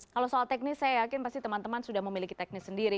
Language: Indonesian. kalau soal teknis saya yakin pasti teman teman sudah memiliki teknis sendiri